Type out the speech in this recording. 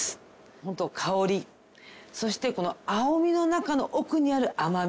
ホント香りそしてこの青みの中の奥にある甘み